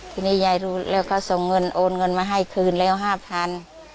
ทีนี้ยายรู้แล้วก็ส่งเงินโอนเงินมาให้คืนแล้วห้าพัน